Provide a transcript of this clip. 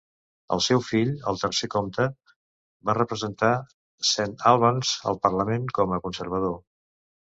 El seu fill, el tercer comte, va representar Saint Albans al Parlament com a conservador.